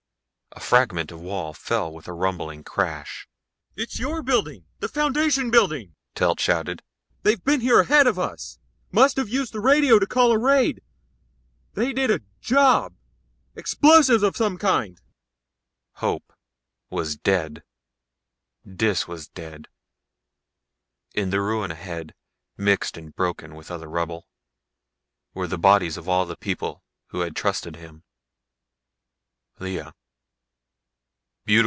A fragment of wall fell with a rumbling crash. "It's your building the Foundation building!" Telt shouted. "They've been here ahead of us must have used the radio to call a raid. They did a job, explosive of some kind." Hope was dead. Dis was dead. In the ruin ahead, mixed and broken with other rubble, were the bodies of all the people who had trusted him. Lea